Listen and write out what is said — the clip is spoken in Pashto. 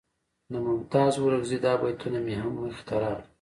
د ممتاز اورکزي دا بیتونه مې هم مخې ته راغلل.